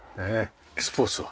スポーツは？